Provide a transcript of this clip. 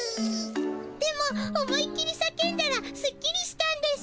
でも思いっきり叫んだらすっきりしたんです。